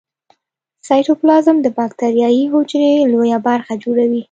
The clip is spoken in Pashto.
سایتوپلازم د باکتریايي حجرې لویه برخه جوړوي.